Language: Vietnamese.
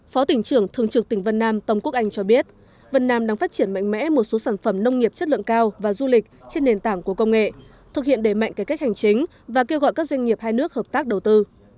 phó tỉnh trưởng thường trực tỉnh vân nam tông quốc anh cho biết vân nam đang phát triển mạnh mẽ một số sản phẩm nông nghiệp chất lượng cao và du lịch trên nền tảng của công nghệ thực hiện đề mạnh cái cách hành chính và kêu gọi các doanh nghiệp hai nước hợp tác đầu tư